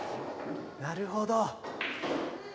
なるほど！